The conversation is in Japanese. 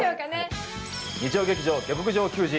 野球日曜劇場「下剋上球児」